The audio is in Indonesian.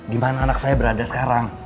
dimana anak saya berada sekarang